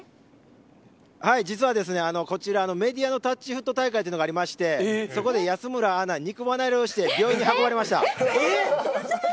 実はですね、こちらメディアのタッチフット大会がありまして、そこで安村アナ、肉離れをして病院に運ばれました。